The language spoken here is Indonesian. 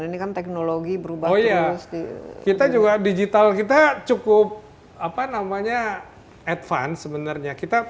ini kan teknologi berubah terus kita juga digital kita cukup apa namanya advance sebenarnya kita